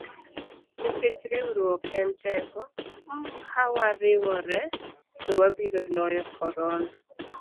Nikech riwruok en teko, kawariwore to wabiro loyo korona.